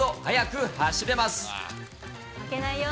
負けないよ。